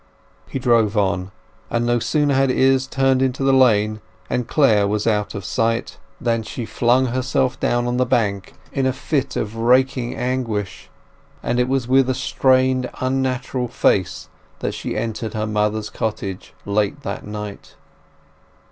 He drove on; but no sooner had Izz turned into the lane, and Clare was out of sight, than she flung herself down on the bank in a fit of racking anguish; and it was with a strained unnatural face that she entered her mother's cottage late that night.